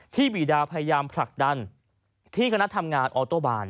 บีดาพยายามผลักดันที่คณะทำงานออโต้บาน